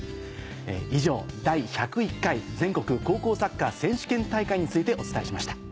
以上第１０１回全国高校サッカー選手権大会についてお伝えしました。